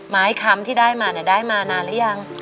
ไม้คล้ำที่ได้มาได้มานานหรือยัง